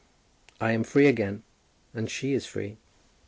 I am free again, and she is free.